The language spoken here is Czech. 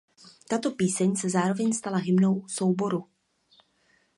Tato píseň se zároveň stala hymnou souboru.